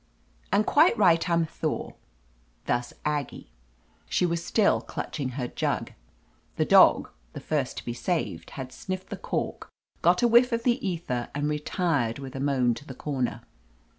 "And quite right, I'm thure." Thus Aggie. She was still clutching her jug; the dog, the first to be saved, had sniffed the cork, got a whiff of the ether, and retired with a moan to the corner.